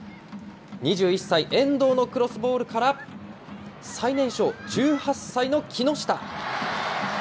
２１歳、遠藤のクロスボールから、最年少、１８歳の木下。